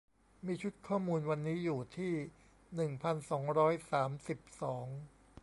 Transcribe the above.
มีชุดข้อมูลวันนี้อยู่ที่ หนึ่งพันสองร้อยสามสิบสอง